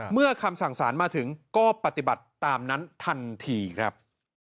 คำสั่งสารมาถึงก็ปฏิบัติตามนั้นทันทีครับ